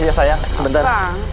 iya sayang sebentar